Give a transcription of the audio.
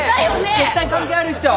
絶対関係あるっしょ！